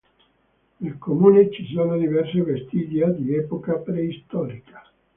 Nel comune ci sono diverse vestigia di epoca preistorica.